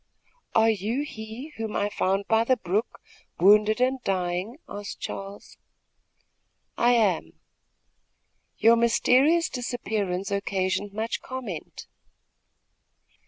"Are you he whom I found by the brook, wounded and dying?" asked Charles. "I am." "Your mysterious disappearance occasioned much comment."